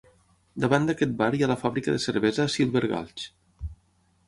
Davant d'aquest bar hi ha la fàbrica de cervesa Silver Gulch.